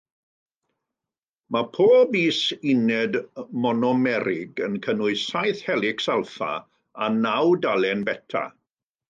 Mae pob is-uned monomerig yn cynnwys saith helics alffa a naw dalen beta.